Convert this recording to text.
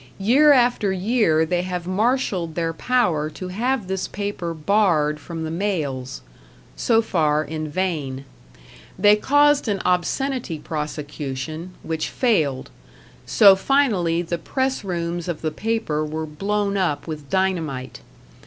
Year after year they have marshalled their power to have this paper barred from the mails so far, in vain. They caused an obscenity prosecution, which failed; so finally the press rooms of the paper were blown up with dynamite.